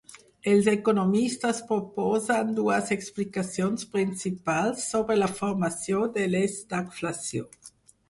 Els economistes proposen dues explicacions principals sobre la formació de l'estagflació.